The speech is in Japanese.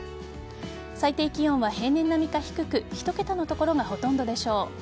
最低気温は平年並みか低く１桁の所がほとんどでしょう。